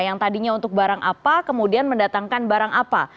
yang tadinya untuk barang apa kemudian mendatangkan barang apa